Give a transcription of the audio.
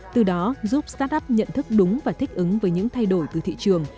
từ đó giúp start up nhận thức đúng và thích ứng với những thay đổi từ thị trường